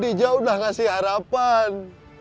dija udah ngasih harapan